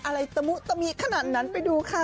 อะไรตะมุตะมิขนาดนั้นไปดูค่ะ